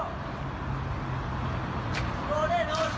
คุณมาทุบได้ยังไง